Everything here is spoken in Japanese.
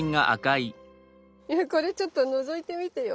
これちょっとのぞいてみてよ